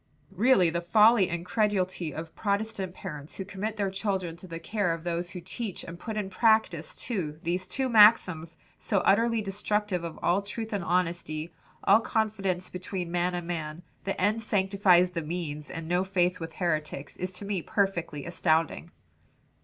"Really the folly and credulity of Protestant parents who commit their children to the care of those who teach and put in practice, too, these two maxims, so utterly destructive of all truth and honesty, all confidence between man and man 'The end sanctifies the means,' and 'No faith with heretics,' is to me perfectly astounding."